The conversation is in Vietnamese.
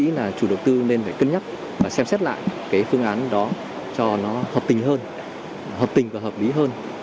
tôi nghĩ là chủ đầu tư nên phải cân nhắc và xem xét lại cái phương án đó cho nó hợp tình hơn hợp tình và hợp lý hơn